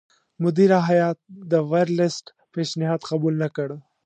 مدیره هیات د ورلسټ پېشنهاد قبول نه کړ.